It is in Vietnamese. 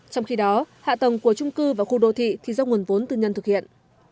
trong khi đó hạ tầng của trung cư và khu đô thị thì do nguồn vốn tư nhân thực hiện